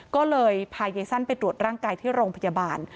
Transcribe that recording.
ก็เลยพายายสั้นไปตรวจร่างกายที่โรงพยาบาล